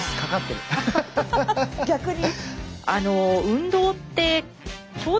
逆に？